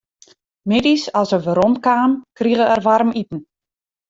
Middeis as er werom kaam, krige er waarmiten.